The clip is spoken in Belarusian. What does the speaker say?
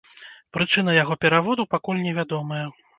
Прычына яго пераводу пакуль невядомая.